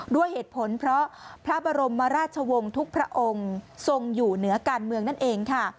ด้วยเหตุผลเพราะพระบรมราชวงศ์ทุกพระองค์ทรงอยู่เหนือการเมืองนั่นเองค่ะ